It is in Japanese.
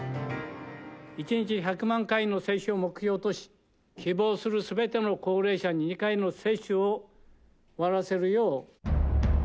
１日１００万回の接種を目標とし、希望するすべての高齢者に２回の接種を終わらせるよう。